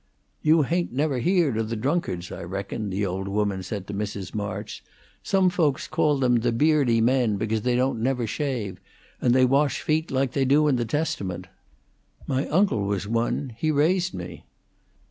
"You hain't never heared o' the Dunkards, I reckon," the old woman said to Mrs. March. "Some folks calls 'em the Beardy Men, because they don't never shave; and they wash feet like they do in the Testament. My uncle was one. He raised me."